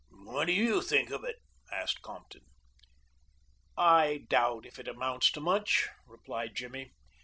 "What do you think of it?" asked Compton. "I doubt if it amounts to much," replied Jimmy.